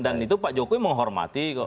dan itu pak jokowi menghormati